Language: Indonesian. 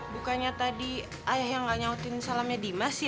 bukannya tadi ayah yang nggak nyautin salamnya dimas ya